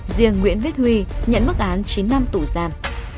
riêng nguyễn viết huy nhận mức án chín năm tù giam